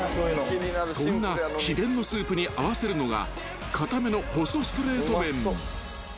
［そんな秘伝のスープに合わせるのが硬めの細ストレート麺］